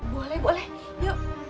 boleh boleh yuk